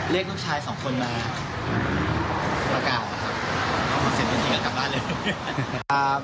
เรียกลูกชายสองคนมาประกาศครับเขาก็เสร็จที่ที่ก็กลับบ้านเลย